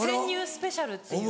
スペシャルっていう。